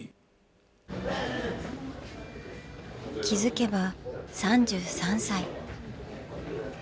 気付けば３３歳。